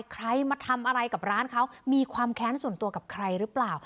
ใครมาทำอะไรกับร้านเขามีความแค้นส่วนตัวกับใครหรือเปล่า